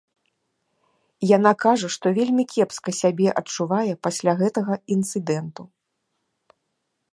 Яна кажа, што вельмі кепска сябе адчувае пасля гэтага інцыдэнту.